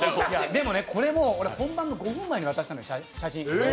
でもね、これも俺本番の５分前に渡したのよ、写真。